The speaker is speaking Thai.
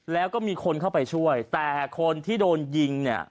แล้วก็มีคนเข้าไปช่วยแต่คนที่โดนยิงเนี่ย